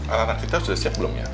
anak anak kita sudah siap belum ya